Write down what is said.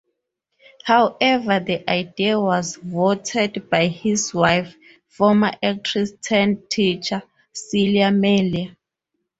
However the idea was vetoed by his wife, former actress turned teacher, Celia Melia.